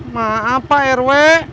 maaf pak rw